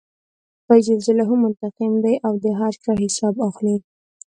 خدای جل جلاله منتقم دی او د هر چا حساب اخلي.